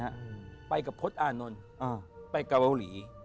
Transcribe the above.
คือไปกับพศอานนท์ไปกับเบาหลี